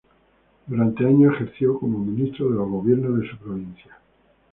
Durante años ejerció como ministro de los gobiernos de su provincia.